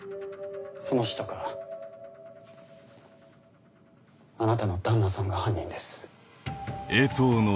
その人かあなたの旦那さんが犯人です。